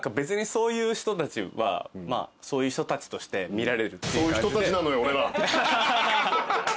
そういう人たちはそういう人たちとして見られる。